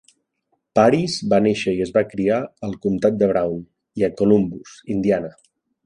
Paris va néixer i es va criar al comtat de Brown i a Columbus, Indiana.